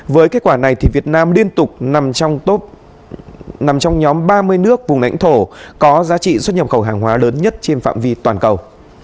với kết quả này việt nam liên tục nằm trong top nằm trong nhóm ba mươi nước vùng lãnh thổ có giá trị xuất nhập khẩu hàng hóa lớn nhất trên phạm vi toàn cầu